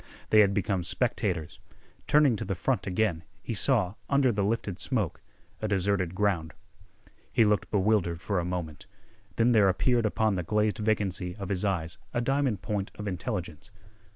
They had become spectators. Turning to the front again he saw, under the lifted smoke, a deserted ground. He looked bewildered for a moment. Then there appeared upon the glazed vacancy of his eyes a diamond point of intelligence.